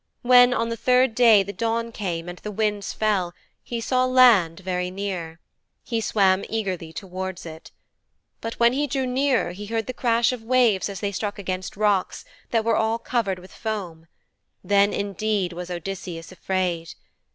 When on the third day the dawn came and the winds fell he saw land very near. He swam eagerly towards it. But when he drew nearer he heard the crash of waves as they struck against rocks that were all covered with foam. Then indeed was Odysseus afraid.